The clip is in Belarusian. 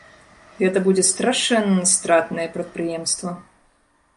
Гэта будзе страшэнна стратнае прадпрыемства.